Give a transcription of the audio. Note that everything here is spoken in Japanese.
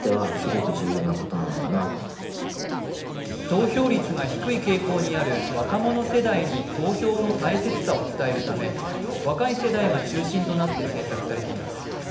投票率が低い傾向にある若者世代に投票の大切さを伝えるため若い世代が中心となって制作されています。